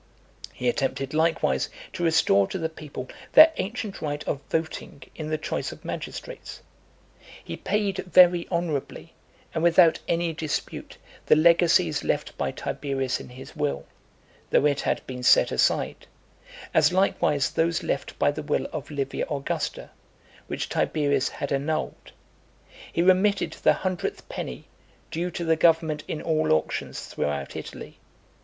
He attempted likewise to restore to the people their ancient right of voting in the choice of magistrates . He paid very honourably, and without any dispute, the legacies left by Tiberius in his will, though it had been set aside; as likewise those left by the will of Livia Augusta, which Tiberius had annulled. He remitted the hundredth penny, due to the government in all auctions throughout Italy.